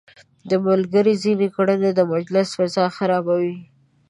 د ملګرو ځينې کړنې د مجلس فضا خرابوي.